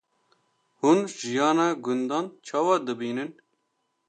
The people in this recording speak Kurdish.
Hûn jiyana gundan çawa dibînin?